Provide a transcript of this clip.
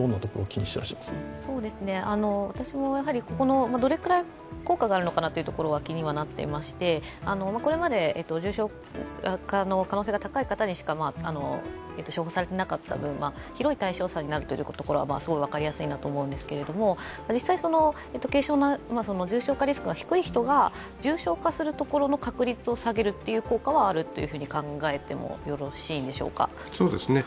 私も、どれくらい効果があるのかなというところは気にはなってましてこれまで重症化の可能性が高い方にしか処方されていなかった分、広い対象者になるというのはすごく分かりやすいと思うんですけど実際、重症化リスクの低い人が重症化する確率を下げるという効果はあると考えてもよろしいんでしょか？